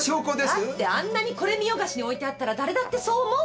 だってあんなにこれみよがしに置いてあったらだれだってそう思うでしょう。